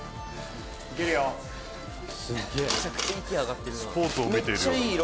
めちゃくちゃ息上がってるな。